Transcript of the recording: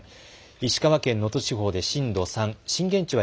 石川県能登地方で震度３、震源地は